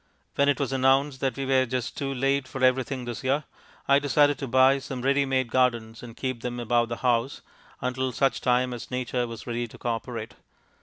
When it was announced that we were just too late for everything this year, I decided to buy some ready made gardens and keep them about the house, until such time as Nature was ready to co operate.